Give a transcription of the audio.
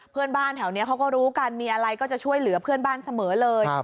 เพื่อนบ้านแถวนี้เขาก็รู้กันมีอะไรก็จะช่วยเหลือเพื่อนบ้านเสมอเลย